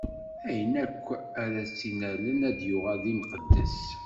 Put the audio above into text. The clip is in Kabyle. Ayen akk ara tt-innalen ad yuɣal d imqeddes.